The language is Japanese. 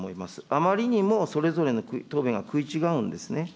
あまりにもそれぞれの答弁が食い違うんですね。